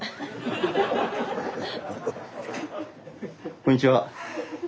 こんにちは。